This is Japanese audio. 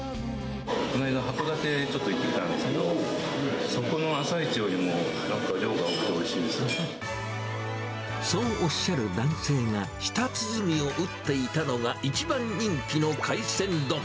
この間、函館へちょっと行ってきたんですけど、そこの朝市よりも、なんかそうおっしゃる男性が舌鼓を打っていたのが、一番人気の海鮮丼。